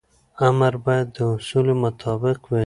امر باید د اصولو مطابق وي.